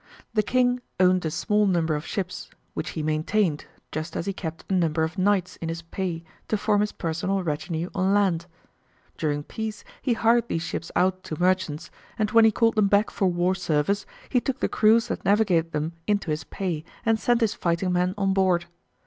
The King owned a small number of ships, which he maintained just as he kept a number of knights in his pay to form his personal retinue on land. During peace he hired these ships out to merchants, and when he called them back for war service he took the crews that navigated them into his pay, and sent his fighting men on board.